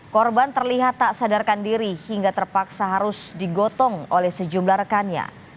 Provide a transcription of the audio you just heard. korban terlihat tak sadarkan diri hingga terpaksa harus digotong oleh sejumlah rekannya